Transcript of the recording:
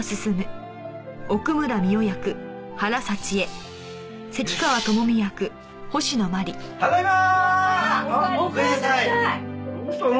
あれどうしたの？